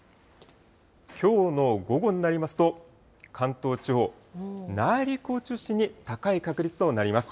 きょうの午後になりますと、関東地方、内陸を中心に高い確率となります。